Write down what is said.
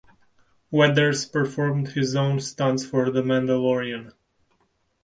Weathers performed his own stunts for "The Mandalorian".